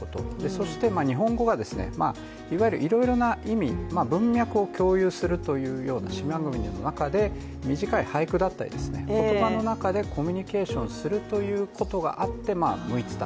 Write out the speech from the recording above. そして日本語が、いわゆるいろいろな意味、文脈を共有する、島国の中で短い俳句だったり、言葉の中でコミュニケーションをするということがあって向いていた。